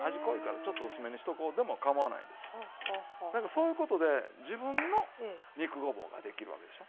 そういうことで自分の肉ごぼうが出来るわけでしょ。